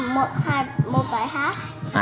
một hai một bài hát